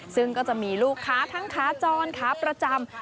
ซึ่งก็จะมีลูกค้าทั้งขาจรขาประจำ